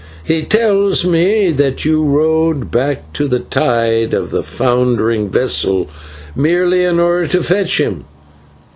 "He tells me that you rowed back to the side of the foundering vessel merely in order to fetch him.